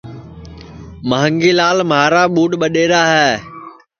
مانگھی لال مھارا ٻُڈؔ ٻڈؔئرا ہے